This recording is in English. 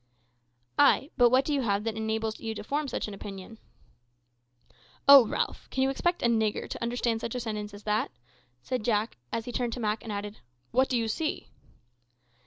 "Ay; but what do you see that enables you to form such an opinion?" "O Ralph, how can you expect a nigger to understand such a sentence as that?" said Jack, as he turned to Mak and added, "What do you see?"